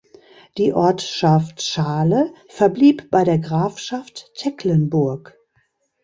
Die Ortschaft Schale verblieb bei der Grafschaft Tecklenburg.